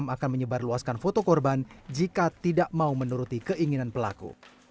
mereka juga mengeluarkan foto korban jika tidak mau menuruti keinginan pelaku